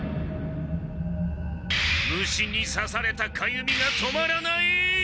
虫にさされたかゆみが止まらない！